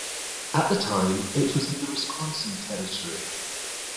At the time, it was in the Wisconsin Territory.